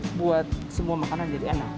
buat semua makanan jadi enak